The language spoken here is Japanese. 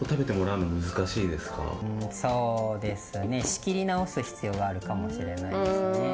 仕切り直す必要があるかもしれないですね。